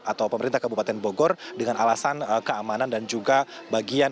atau pemerintah kabupaten bogor dengan alasan keamanan dan juga bagian